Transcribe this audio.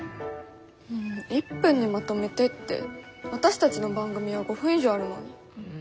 １分にまとめてって私たちの番組は５分以上あるのに。